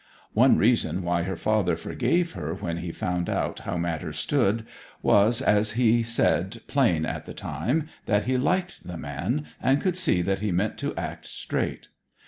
'One reason why her father forgave her when he found out how matters stood was, as he said plain at the time, that he liked the man, and could see that he meant to act straight.